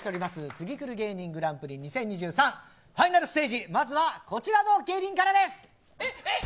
ツギクル芸人グランプリ２０２３ファイナルステージまずはこちらの芸人からです。